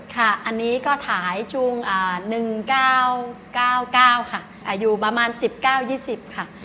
ค่ะอันนี้ก็ขายช่วง๑๙๙๙๙ค่ะอยู่ประมาณ๑๙๒๐ค่ะ